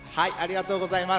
ありがとうございます。